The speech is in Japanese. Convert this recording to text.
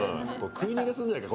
食い逃げするんじゃないか。